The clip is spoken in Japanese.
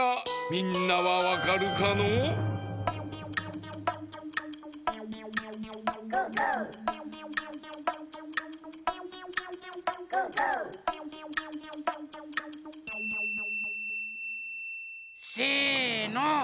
みんなはわかるかのう？せの！